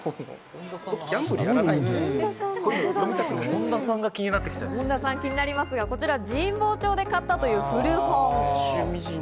恩田さんが気になりますが、こちら神保町で買ったという古本。